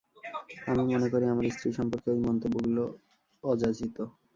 আমি মনে করি আমার স্ত্রী সম্পর্কে ওই মন্তব্যগুলি অযাচিত।